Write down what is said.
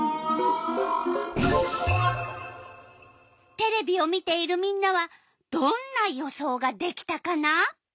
テレビを見ているみんなはどんな予想ができたかな？